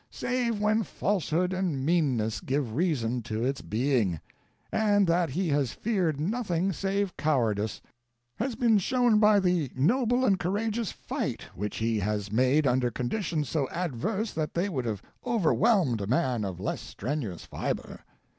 save when falsehood and meanness give reason to its being, and that he has feared nothing save cowardice, has been shown by the noble and courageous fight which he has made under conditions so adverse that they would have overwhelmed a man of less strenuous fibre.